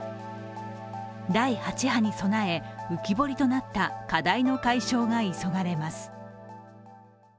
第８波に備え、浮き彫りとなった課題の解消が急がれます。